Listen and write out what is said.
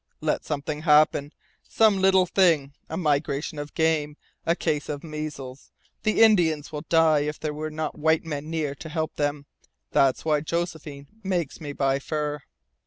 Let something happen, some little thing a migration of game, a case of measles. The Indians will die if there are not white men near to help them. That's why Josephine makes me buy fur."